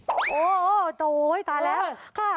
โอ้โหโจ๊ตายแล้วค่ะ